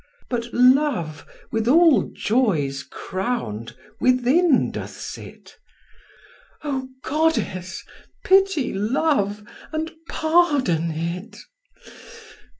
But love, with all joys crown'd, within doth sit: O goddess, pity love, and pardon it!"